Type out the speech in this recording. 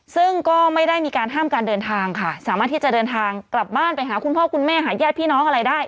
ซึ่งก็ไม่ได้มีการห้ามการเดินทางค่ะสามารถที่จะเดินทางกลับบ้านไปหาคุณพ่อคุณแม่หาญาติพี่น้องอะไรได้